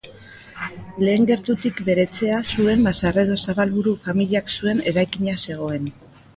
Lehen gertutik bere etxea zuen Mazarredo-Zabalburu familiak zuen eraikina zegoen.